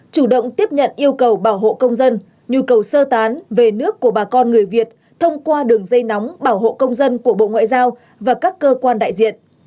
chủ động tiếp nhận yêu cầu bảo hộ công dân nhu cầu sơ tán về nước của bà con người việt thông qua đường dây nóng bảo hộ công dân của bộ ngoại giao và các cơ quan đại diện